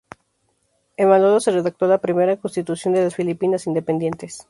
En Malolos se redactó la primera constitución de las filipinas independientes.